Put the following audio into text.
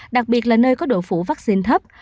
đặc biệt là nơi có độ phủ vaccine thấp